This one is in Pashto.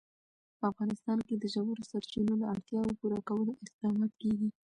په افغانستان کې د ژورو سرچینو د اړتیاوو پوره کولو اقدامات کېږي.